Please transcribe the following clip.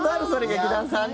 劇団さんに。